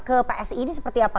ke psi ini seperti apa